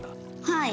はい！